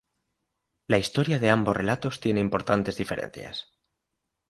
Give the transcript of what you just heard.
La historia de ambos relatos tiene importantes diferencias.